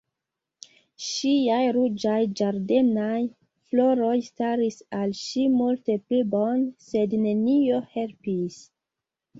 Ŝiaj ruĝaj ĝardenaj floroj staris al ŝi multe pli bone, sed nenio helpis.